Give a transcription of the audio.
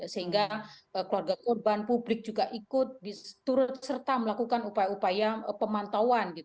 sehingga keluarga korban publik juga ikut turut serta melakukan upaya upaya pemantauan